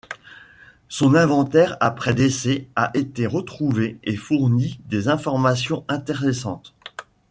Son inventaire après décès a été retrouvé et fournit des informations intéressantes.